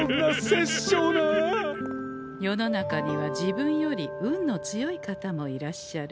世の中には自分より運の強い方もいらっしゃる。